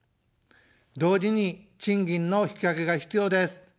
同時に賃金の引き上げが必要です。